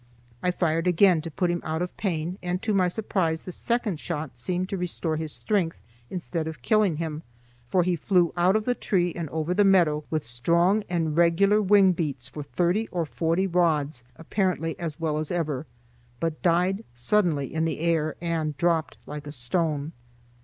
I fired again to put him out of pain, and to my surprise the second shot seemed to restore his strength instead of killing him, for he flew out of the tree and over the meadow with strong and regular wing beats for thirty or forty rods apparently as well as ever, but died suddenly in the air and dropped like a stone.